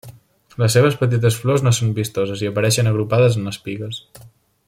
Les seves petites flors no són vistoses i apareixen agrupades en espigues.